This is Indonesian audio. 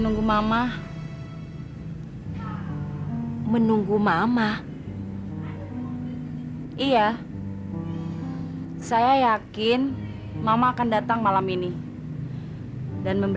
non jangan bikin nipi takut begini dong non